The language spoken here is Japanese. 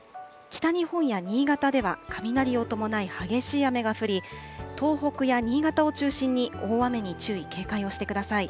北日本や新潟では雷を伴い激しい雨が降り、東北や新潟を中心に、大雨に注意、警戒をしてください。